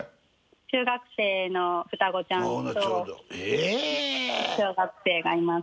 中学生の双子ちゃんと小学生がいます。